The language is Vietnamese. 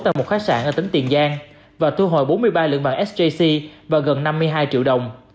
tại một khách sạn ở tỉnh tiền giang và thu hồi bốn mươi ba lượng vàng sjc và gần năm mươi hai triệu đồng